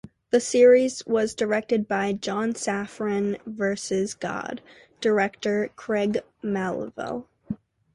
The series was directed by "John Safran versus God" director Craig Melville.